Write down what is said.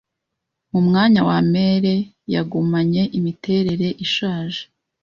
mu mwanya wa mere yagumanye imiterere ishaje